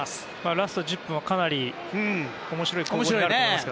ラスト１０分はかなり面白い攻防になると思います。